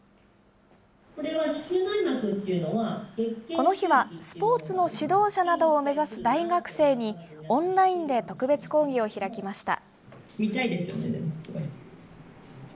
この日はスポーツの指導者などを目指す大学生にオンラインで特別講義を開きました。